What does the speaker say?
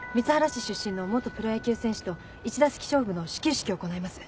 市出身の元プロ野球選手と一打席勝負の始球式を行います。